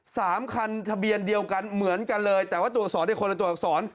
สามคันทะเบียนเดียวกันเหมือนกันเลยแต่ว่าตัวอักษรได้คนละตัวอักษร